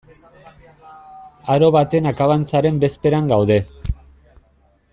Aro baten akabantzaren bezperan gaude.